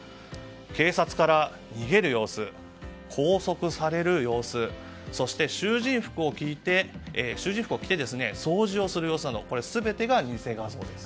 警察から逃げる様子や拘束される様子そして囚人服を着て掃除をする様子など全てが偽画像です。